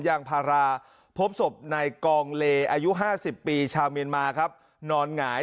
ยางพาราพบศพในกองเลอายุห้าสิบปีชาวเมียมาครับนอนหาย